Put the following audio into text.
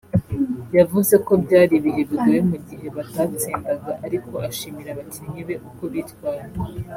yavuze ko byari ibihe bigoye mu gihe batatsindaga ariko ashimira abakinnyi be uko bitwaye